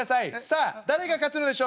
さあ誰が勝つのでしょうか？